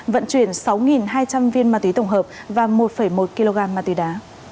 vận chuyển sáu hai trăm linh viên ma túy tổng hợp và một một kg ma túy đá